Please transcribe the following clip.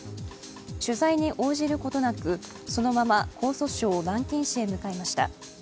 取材に応じることなくそのまま江蘇省南京市へ向かいました。